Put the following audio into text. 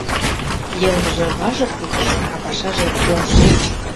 Йылмыже — важык кутыш, а пашаже — пел шеч!